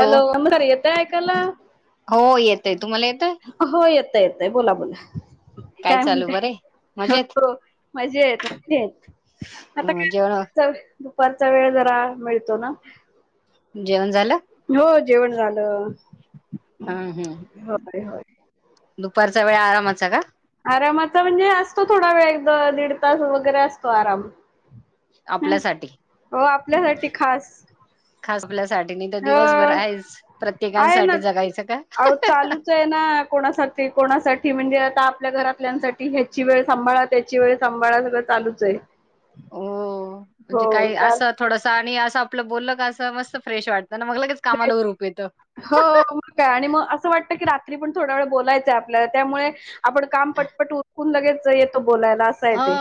Hello नम अयते आयकाला हो येतय तुम्हाला येतय हो येतंय येतय बोला बोला काय चालू बरे हो मजेत मजा आहेत म आता जेवण काय दुपारचा वेळ जरा मिळतो ना जेवण झालं हो जेवण झालं हम्म हम्म होय होय दुपारचा वेळ आरामाचा का आरामाचा म्हणजे असतो थोडा वेळ एकदा दीड तास वगैरे असतो आराम ह आपल्यासाठी हो आपल्यासाठी खास खास आपल्यासाठी नाही तर अ दिवसभर आहेच आहे ना प्रत्येकांसाठी जगायचं का अहो चालूच कोणासाठी कोणासाठी म्हणजे आता आपल्या घरातल्यांसाठी ह्याची वेळ सांभाळ वेळ सांभाळ सगळं चालूच आहे हो म्हणजे हो काही चार असत थडं आणि असं आपलं बोललं का असं मस्त फ्रेश वाटतं ना मग लगेच कामाला फ्रेश- उरूप येतं हो मग काय आणि मग असं वाटतं की रात्री पण थोडा वेळ बोलायचं आहे आपल्याला त्यामुळे आपण काम पटपट उरकून लगेच येतो बोलायला आहे हा ते.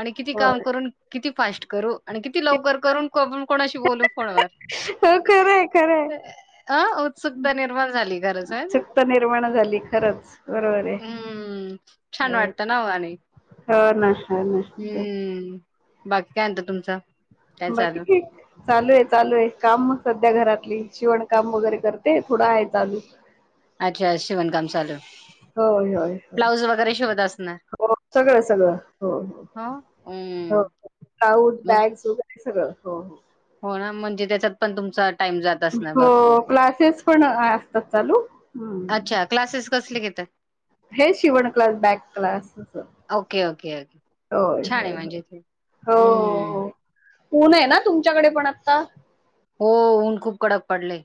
आणि किती काम होय. करून किती फास्ट करू आणि किती लवकर करूनण कोणाशी बोलू फोनवर हो खरंय खरंय अ उत्सुकता निर्भर झाली गरज आहे उत्सुकता निर्माण झाली खरच बरोबर आहे हम्म. छान वाटतं ना ओ आणि हो ना हो ना तेच. हम्म बाकी कायत तुमचा बट क चालू आहे चालू आहे काम मग सध्या घरातली शिवणकाम वगैरे करते थोडं आहे चालू अच्छा शिवणकाम चालू होय होय होय ब्लाऊज वगैरे शिवत असणार? हो सगळं सगळं हो हो. हो हम्म. होऊट मग बॅग्स वगैरे सगळं हो हो हो ना म्हणजे त्याच्यात पण तुमचा टाइम जात असणार हो भरपूर. क्लासेस पण असतात चालू अच्छा क्लासेस कसले घेतात हे शिवण क्लास बॅक क्लासय ओके, ओके, ओके. होय छान आहे होय म्हणजे ते. हम्म होऊन आहे ना तुमच्याकडे पण आता हो ऊन खूप कडक पडले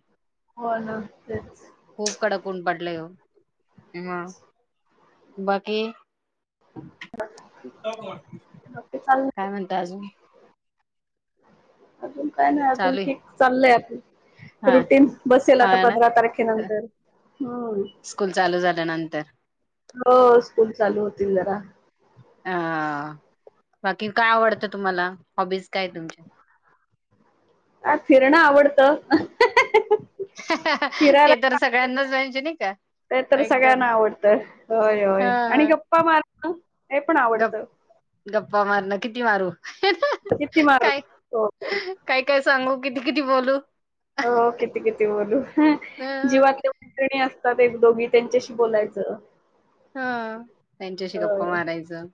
हो ना तेच खूप कडकून पडलेय हो म बाकी बाकी चाललंय काय म्हणत अजून अजून काय नाही अजून चालू आहे. ठीक चाललंय आपण हा, रुटीन बसेल आता हा ना. पंधरा तारखेनंतर हम्म स्कूल चालू झाल्यानंतर हो स्कूल चालू होतील जरा अ बाकी काय आवडतं तुम्हाला हॉबीज काय तुमच्या ह फिरणं आवडतं फिरायला ते तर आवडतं. सगळ्यांनाच म्हहिजे नाही का ते तर एकदम सगळ्यांना आवडतं होयय आणि हा गप्पा मारण हे पण गप आवडतं गप्पा मारण किती मारू किती मारू काय हो काय काय सांगू किती किती बोलू हो किती किती बोलू हं जीवातले णी असतात एक दोघी त्यांच्याशी बोलायचं हा त्यांच्याशी गप्पा होय मारायचं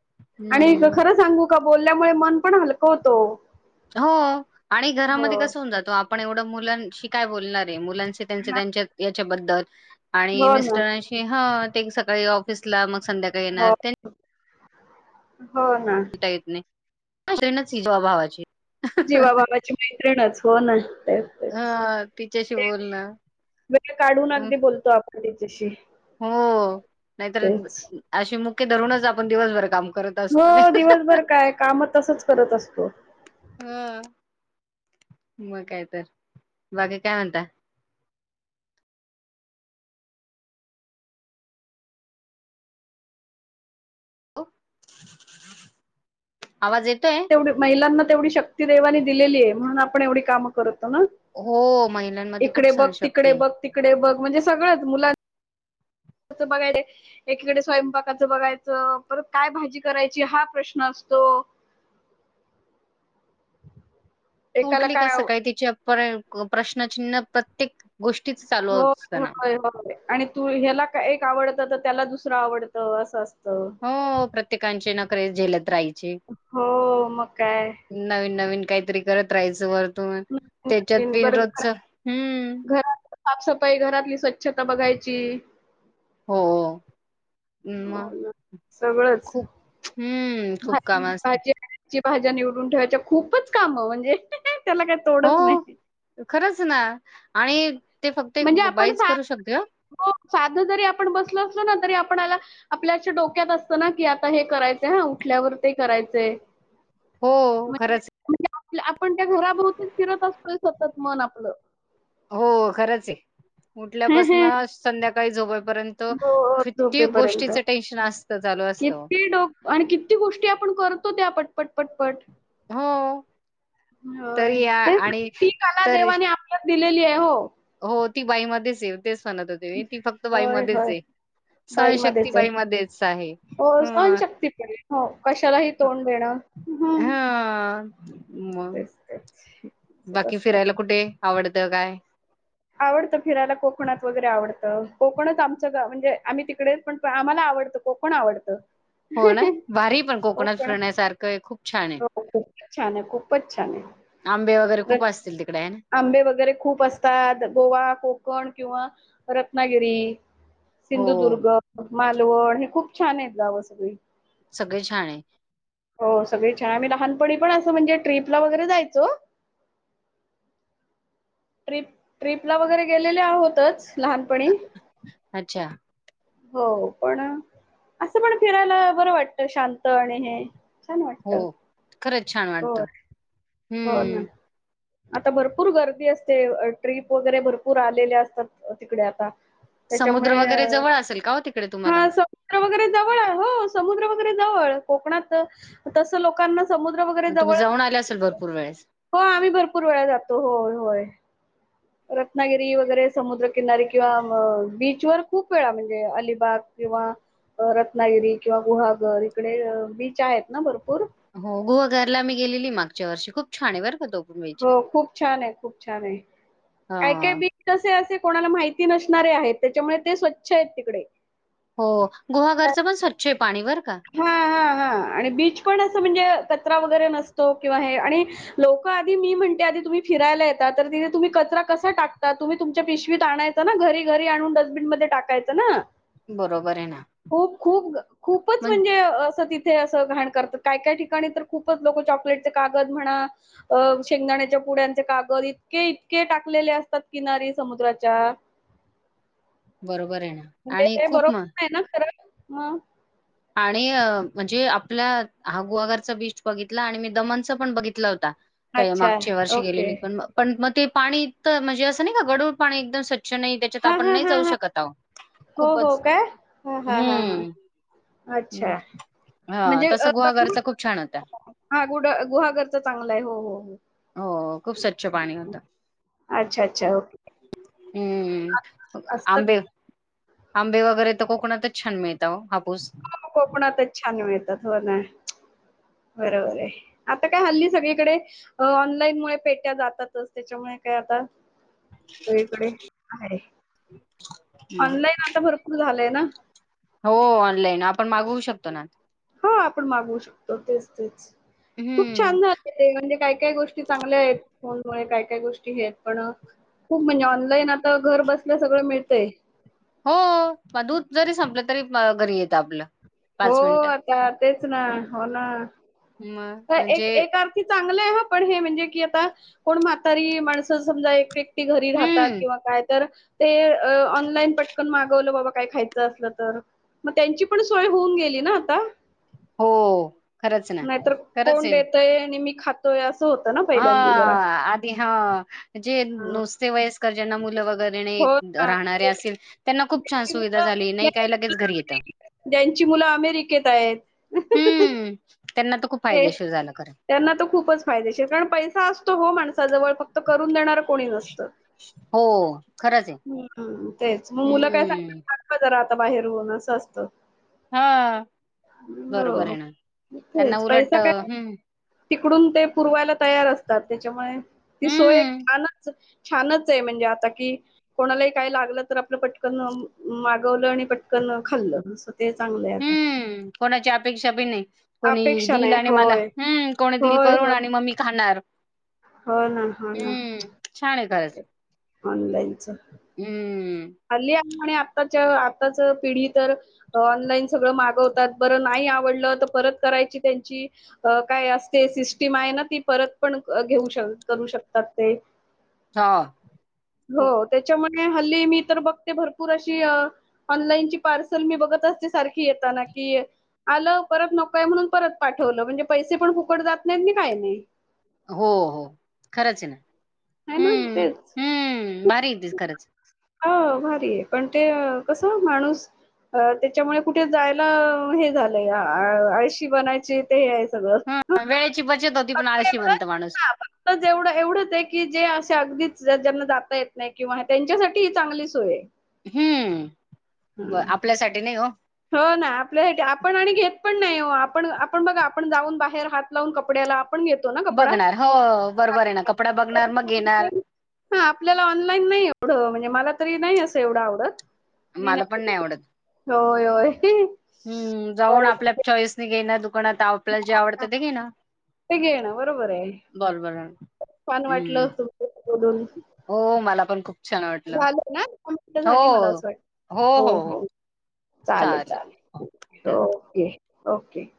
आणि ग- हम्म खरं सांगू का बोलल्यामुळे मन पण हलकव होतो हो आणि हो घरामध्ये कस होऊन जातो आपण एवढं मुलांशी काय बोलणार हा च्याबद् हो मिर ना सकाळी मग संध्याकाळी हो येणार हो ना ट शरीर सीज अ भाावाचे जीवाबाबाची मैत्रिणच हो ना हा तिच्याशी बोलणं वेळ काढून अं, अगदी बोलतो आपण त्याच्याशी हो नाहीतर अशी मुख्य धरूनच आपण दिवसभर काम करत हो असतो ना. दिवसभर काय काम तसच करत असतो हा मगय तर बाकीे काय म्हणता हो, आवाज येतोय महिलांना तेवढी शक्ती देवानी दिलेली आहे म्हणून आपण एवढी काम करतो ना हो महिलांमध्ये खूप इकडे बघ सण तिकडे शकते बघ तिकडे बघ म्हणजे सगळंच मुलां ं बघायला एकीकडे स्वयंपाकाचं बघायचं परत काय भाजी करायची हा प्रश्न असतो ह ती एकाला उठली का काय आव सकाळी तिचे प्रश्नचिन्ह प्रत्येक गोष्टीच होय असताना होय होय आणि तू ह्याला एक आवडत तर त्याला दुसरं आवडतं असं असतं हो प्रत्येकांचे नक झेलत राहायचे हो मग काय नवीन नवीन काहीतरी करत राहायचं वर्तन त्याच्यात नवीन पिन बरं रोजच घरा हम्म घरात साफसफाई घरातली स्वच्छता बघायची हो हो मग ना खूप हम्म खूप काम असत. भाजीची भाज्या निवडून ठेवायच्या खूपच काम म्हणजे त्याला तोडच नाही हो खरंच ना आणि ते फक्त एक म्हणजे आपण बाईच सा करू शकत ग हो साधं जरी आपण बसल असलो ना तरी आपणला आपल्याच्या डोक्यात असतं ना की आता हे करायच हा उठल्यावर ते करायचे हो खरंच आपण त्या घराभोवती फिरत असतो सतत मन आपलं हो खरंच आहे हो, उठल्यापासून संध्याकाळी झोपायपर्यंत त हो, कित्यती झोपेपर्यंत. गोष्टीच टेन्शन असत चालू असतं किती डोक आणि किती गोष्टी आपण करतो त्या पटपट पटपट हो हो तरी या ते आणि ती कला तरी देवा आप दिलेली आहे हो हो ती बाईमध्येच ये तेच म्हणत होते ती फक्त होय, बाईमध्येच होय. ये बाईमध्येच आहे. सनशक्तबाई मध्येच आहे हो, अ सहनशक्ती पण आहे. हो कशालाही तोंड देणं ह हं मग तेच तेच असंच बाकी असतं. फिरायला कुठे आवडतं काय आवडतं फिरायला कोकणात वगैरे आवडतं कोकणच आमचं गाव म्हणजे आम्ही तिकडेच पण आम्हाला आवडतो को कोण आवडतं हो ना भारी पण कोकणात कोकण फिरण्यासारखं आहे खूप छान आहे हो खूपच छान आहे खूपच छान आहे. आंबे वगैरे खूप रत- असतील तिकडे आहे ना. आंबे वगैरे खूप असतात गोवा कोकण किंवा रत्नागिरी हो सिंधुदुर्ग मालवण हे खूप छान आहेत गावं सगळी सगळे छान आहे. हो सगळे छान आम मही लहानपणी पण असं म्हणजे ट्र्रीपला वगैरे जायचो. ट्रिप ट्रिपला वगैरे गेलेले आहोतच लहानपणी अच्छा. हो पण असं पण फिरायला बरं वाटत शांत आणि हे छान हो वाटतं. खरंच छान होय, वाटतं. हो ना. हम्म आता भरपूर गर्दी असते ट्रिप वगैरे भरपूर आलेल्या असतात तिकडे आता समुद्र त्याच्यामुळे वगैरे जवळ असेल का हो तिकडे तुम्हालाग. स वगैरे जवळ आहे हो समुद्र वगैरे जवळ कोकणात तसं लोकांना समुद्र वगैरे जवळ ल बर. पूर्वेळेस हो आम्ही भरपूर वेळा जातो होय होय. रत्नागिरी वगैरे समुद्रकिनारी किंवा बीचवर खूप वेळा म्हणजे अलिबाग किंवा रत्नागिरी किंवा गुहागर इकडे बीच आहेत ना भरपूर हो गोवा घरला मी गेलेली मागच्या वर्षी खूप छान वर्गतो हो खूप छान आहे खूप छान आहे अ काय काय बीट असे असे कोणाला माहिित नसणारे आहेत त्याच्यामुळे ते स्वच्छ आहेत तिकडे हो गुहागरचं पण स्वच्छ आहे पाणीवर का? ह आणि बीच पण असं म्हणजे कचरा वगैरे नसतो किंवा हे आणि लोक आधी म्हणते आधी तुम्ही फिरायला येतता तर तिे तुम्ही कचरा कसा टाकता तुम्ही तुमच्या पिशवीत आणाय. ना घरी घरी आणून डस्टबिन मध्ये टाकायचं ना. बरोबर आहे ना खूप खूप खूपच मग म्हणजे असं तिथे असं घाण करतात काय काय ठिकाणी तर खूपच लोक चॉकलेटचे कागद म्हणा. अ शेंगदाण्याच्या पुड्यांचे कागद इतके इतके टाकलेले असतात किनारी समुद्राच्या बरोबर आहे ना. म्हणजे आणि ते खूप म बरोबर आहे ना खरं ह. आणि म्हणजे आपल्या हा गुहाघरचा बीच बघितला आणि मी दमनच पण बघितलं होता. त्या अच्छा मागच्या वर्षी ओके. गेलेली पण पण मग ते पाणी तर म्हणजे असं नाही का गडूळ पाणी एकदम स्वच्छ नाही. त्या हां, आपण हां, नाही हां, जाऊ हां. शकत आ हो, हो काय? हां, हां, हां, हां. खूपचम्म अच्छा हा तस गुहागरचा खूप छान होता. हा गुड गुहागरच चांगलं आहे हो हो हो. हो खूप स्वच्छ पाणी होत अच्छा, अच्छा ओके. हम्म. अ, असतं आंबे आंबे वगैरे तर कोकणातच छान मिळतात हो हापूस हो, कोकणातच छान मिळतात हो ना. बरोबर आहे आता काय हल्ली सगळीकडे अ ऑनलाईन मुळे पेट्या जातातच त्याच्यामुळे काय आता सगळीकडे आहे मग ऑनलाईन आता भरपूर झालंय ना? हो ऑनलाईन आपण मागवू शकतो ना? हो आपण मागवू शकतो तेच तेच खूप हम्म छान झालं. ते म्हणजे काय काय गोष्टी चांगल्या आहेत फोनमुळे काय काय गोष्टी हे आहेत पण खूप म्हणजे ऑनलाईन आता घर बसल्या सगळं मिळतंय. हो मग दूध जरी संपलं तरी घरी येतं आपलं हो पाच मिनिटात. आता तेच ना हो ना मग एक म्हणजे ए चांगलं आहे ह पण हे म्हणजे की आता कोण म्हातारी माणसं समजा एक घरी राहतात हम्म किंवा काय तर ते ऑनलाईन पटकन मागवलं बाबा काय खायचं असलं तर मग त्यांची पण सोय होऊन गेली ना आता हो खरंच ना नाहीतर खरंच कोण ये. देतय आणि मी खातोय असं होतं. ना हा पहिल्यांदी जरा आधी हा जे हां. नुसते वयस्कर ज्यांना मुलं वगैरे हो ना राहणारे ते अस त्यांना खूप छान ज्यांची सुविधा मुलं झाली नाही काय ज्यांची लगेच घरी येतं. ज्यांची मुलं अमेरिकेत आहेत. हम्म त्यांना तर खूप ते फायदेशीर झालं खरे त्यांना तो खूपच फायदेशीर कारण पैसा असतो हो माणसाजवळ फक्त करून देणार. कोणी नसत्. हो खरंच आहे ह तेच मग मुलं काय हम्म सांगत का जरा आता बाहेर होऊन असं असतं. हा बरोबर हो आहे ना खरं त्यांना च उलट पैसा अ, काय हम्म तिकडून ते पुरवायला तयार असतात त्याच्यामुळे ती सोय हम्म छानच छानच आहे म्हणजे आता कि कोणालाही काय लागलं तर आपलं पटकन मागवलं आणि पटकन खाल्लं असं. ते चांगलं आहे आता हम्म कोणाची अपेक्षा बी नाही. कोणी अपेक्षा दिल नाही आणि मला होय हम्म कोणी दिल होय करून होय आणि मग मी खाणार. हो ना हो ना हम्म छान आहे खरंच ऑनलाईनच हम्म हल्ली आहे आणि आताच्या आत्ताच पिढी तर ऑनलाईन सगळं मागवतात बरं नाही आवडलं तर परत करायची त्यांची अ काय असते सिस्टीम आहे ना ती परत पण घेऊ करू शकतात ते हा हो त्याच्यामुळे हल्ली मी तर बघते भरपूर अशी ऑनलाईन ची पार्सल मी बघत असते सारखी येताना की आलं परत नकोय म्हणून परत पाठवलं म्हणजे पैसे पण फुकट जात नाहीत ना काय नाही. हो हो खरंच आहे आहे ना हम्म तेच हम्म भारी य त खरंच ह भारी आहे पण ते कसं माणूस अ त्याच्यामुळे कुठे जायला हे झालंय आळशी बनायची ते हे आहे सगळं हं. हम वेळेची बचत होती पण आळशी बनतो माणूस एवढं एवढंच एक की जे असे अगदीच ज्यांना जाता येत नाही किंवा त्यांच्यासाठी ही चांगली सोय आहे हम्म बर हं. आपल्यासाठी नाही हो हो ना आपले आपण आणि घेत पण नाही हो आपण आपण बघा आपण जाऊन बाहेर हात लावून कपड्याला आपण घेत बघणार हो बरोबर आहे ना कपडा बघणार मग येेणार हा आपल्याला ऑनलाईन नाही एवढं म्हणजे मला तरी नाही असं एवढं आवडत मी मला पण कधी नाही आवडत होय होय. हमम् जाऊन आपल्या बरोबर. चॉईस घे ना दुकानात आपल्याला जे आवडतं ते घे ना ते घेण बरोबर आहे छान वाटलं हं. तुम बोलून हो, मला पण खूप छान वाटलं. झालं ना हो. झाली मला असं वाटत हो हो चाले चालेल. हो, चालेल ठेवा. Okay okay